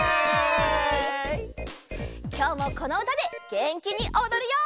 きょうもこのうたでげんきにおどるよ！